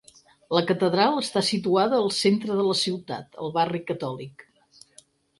La catedral està situada al centre de la ciutat, al barri catòlic.